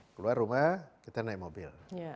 keluar rumah kita naik mobil